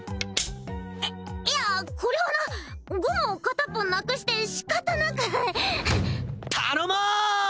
いいやこれはなゴムを片っぽなくして仕方なく頼も！